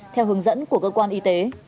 theo hướng dẫn của cơ quan y tế